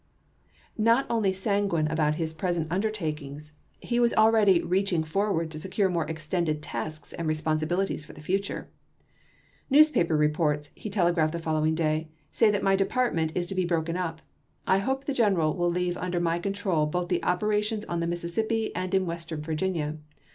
Not only sanguine about his present undertakings, he was already reaching forward to secure more extended tasks and responsibilities for the future. " Newspaper reports," he telegraphed the following day, " say that my department is to be broken up. I hope the general will leave under my control both the operations on the Mississippi and in Western Virginia.